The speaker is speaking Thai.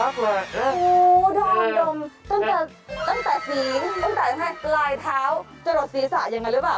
ตั้งแต่สีตั้งแต่รายเท้าจะหลดศีรษะอย่างไรหรือเปล่า